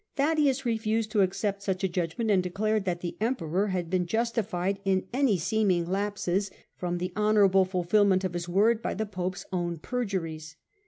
Thaddaeus refused to accept such a judgment and declared that the Emperor had been justified in any seeming lapses from 228 STUPOR MUNDI the honourable fulfilment of his word by the Pope's own perjuries.